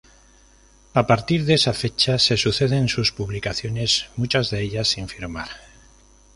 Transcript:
A partir de esa fecha se suceden sus publicaciones, muchas de ellas sin firmar.